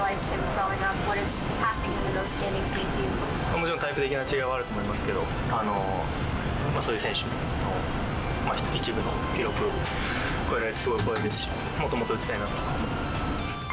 もちろん、タイプ的な違いはあると思いますけど、そういう選手の一部の記録を超えられて、すごい光栄ですし、もっともっと打ちたいなと思います。